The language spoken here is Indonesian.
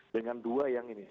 dengan dua yang ini